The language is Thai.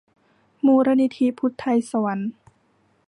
มูลนิธิพุทไธศวรรค์